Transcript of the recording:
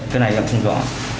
cái này em không rõ